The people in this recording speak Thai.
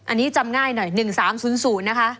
อันนี้จำง่ายหน่อย๑๓๐๐นะคะ